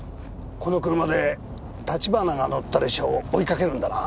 この車で立花が乗った列車を追いかけるんだな？